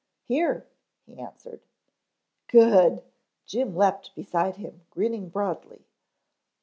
"Here," he answered. "Good." Jim leaped beside him grinning broadly.